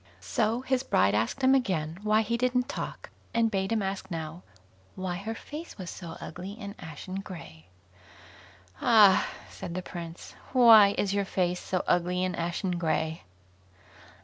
So his bride asked him again why he didn't talk, and bade him ask now, why her face was so ugly and ashen grey? "Ah!" asked the Prince, "why is your face so ugly and ashen grey?"